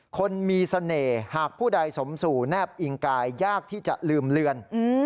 คนมีเสน่ห์หากผู้ใดสมสู่แนบอิงกายยากที่จะลืมเลือน